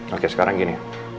oke sekarang gini